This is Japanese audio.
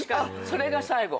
それが最後。